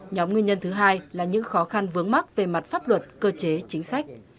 nhóm nguyên nhân thứ hai là những khó khăn vướng mắc về mặt pháp luật cơ chế chính sách